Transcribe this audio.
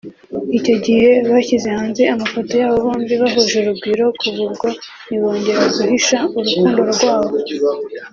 Icyo gihe bashyize hanze amafoto yabo bombi bahuje urugwiro kuva ubwo ntibongera guhisha urukundo rwabo